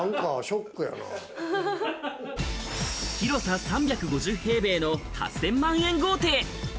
広さ３５０平米の８０００万円豪邸。